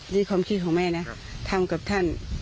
นี่ความคิดของแม่นะ